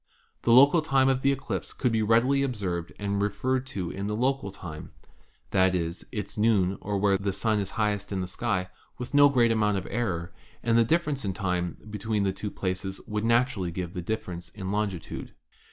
The local time of the eclipse could be readily pbserved and referred to the local time — that is, its noon or when the Sun is highest in the sky, with no great amount of error, and the difference in time between the two places would naturally give the difference in longitude.